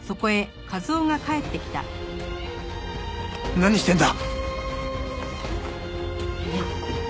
何してんだ！？